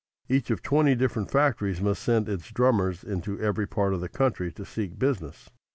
Each of twenty different factories must send its drummers into every part of the country to seek business.